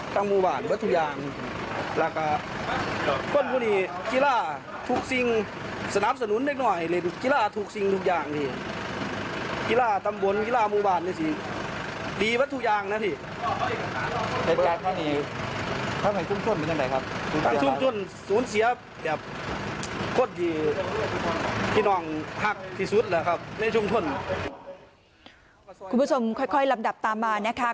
คุณผู้ชมค่อยลำดับตามมานะคะ